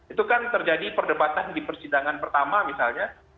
itu kan terjadi perdebatan di persidangan pertama misalnya